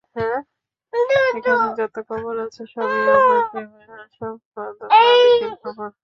এখানে যত কবর আছে সবই আমার প্রেমাস্পদ মালিকের কবর।